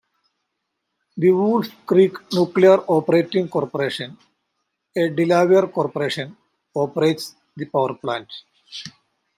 The Wolf Creek Nuclear Operating Corporation, a Delaware corporation, operates the power plant.